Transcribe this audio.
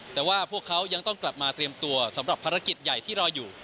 แต่ว่าพวกเขายังต้องกลับมาเตรียมตัวสำหรับภารกิจใหญ่ที่รออยู่